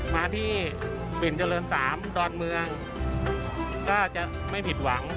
มาที่ปิ่นเจริญ๓ดอนเมืองก็จะไม่ผิดหวัง